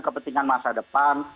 kepentingan masa depan